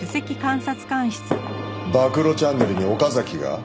暴露チャンネルに岡崎が？